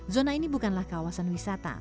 zona ini bukanlah kawasan wisata